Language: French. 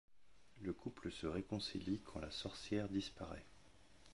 Le couple se réconcilie quand la sorcière disparaît.